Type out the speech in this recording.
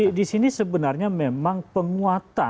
nah disini sebenarnya memang penguatan